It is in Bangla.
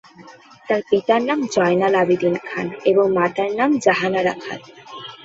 তার পিতার নাম জয়নাল আবেদীন খান এবং মাতার নাম জাহানারা খান।